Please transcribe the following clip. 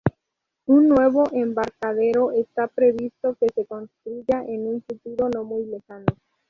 Un nuevo embarcadero está previsto que se construya en un futuro no muy lejano.